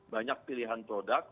banyak pilihan produk